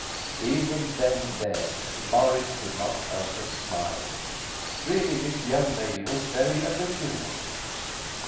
Even then and there Morris could not help a smile; really this young lady was very original.